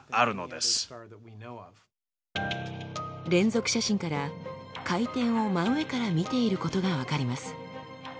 連続写真から回転を真上から見ていることが分かります。